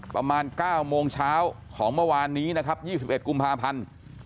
ประมาณ๙โมงเช้าของเมื่อวานนี้นะครับ๒๑กุมภาพันธ์